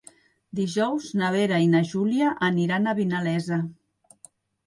Dijous na Vera i na Júlia aniran a Vinalesa.